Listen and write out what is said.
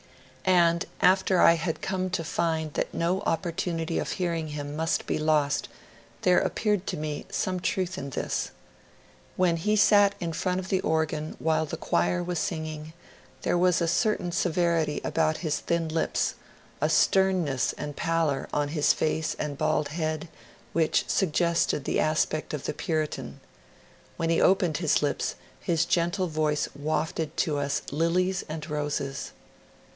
And after I had come to find that no opportunity of hearing him must be lost, there appeared to me some truth in this. When he sat in front of the organ while the choir was singing, there was a certain severity about his thin lips, a sternness and pallor on his face and bald head, which suggested the aspect of the Puritan; when he opened his lips his gentle voice wafted to us lilies and roses.